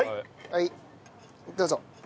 はいどうぞ。